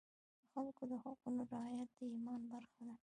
د خلکو د حقونو رعایت د ایمان برخه ده.